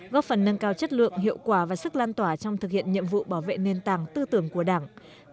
góp phần nâng cao chất lượng hiệu quả và sức lan tỏa trong thực hiện nhiệm vụ bảo vệ nền tảng tư tưởng của đảng